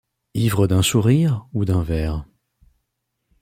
Ivres d'un sourire ou d'un vers